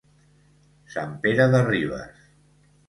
Sant Pere de Ribes.